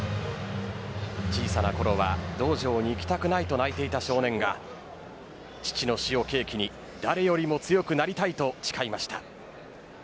小さなころは道場に行きたくないと泣いていた少年が父の死を契機に、誰よりも強くなりたいと誓いました。